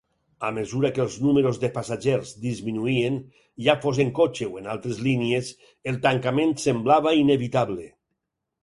A mesura que els números de passatgers disminuïen, ja fos en cotxe o en altres línies, el tancament semblava inevitable.